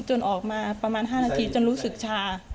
จนออกมาประมาณ๕นาทีจนรู้สึกชา